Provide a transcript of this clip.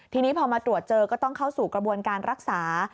ทีนี้พอมาตรวจเจอก็ต้องเข้าสู่กระบวนการรักษา